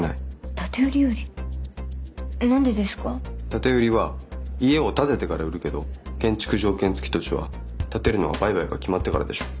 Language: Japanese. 建て売りは家を建ててから売るけど建築条件付き土地は建てるのは売買が決まってからでしょ。